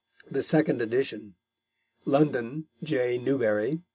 The Second Edition. London: J. Newbery.